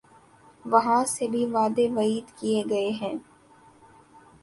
وہاں سے بھی وعدے وعید کیے گئے ہیں۔